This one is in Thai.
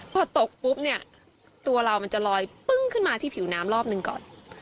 พอตกปุ๊บเนี่ยตัวเรามันจะลอยปึ้งขึ้นมาที่ผิวน้ำรอบหนึ่งก่อน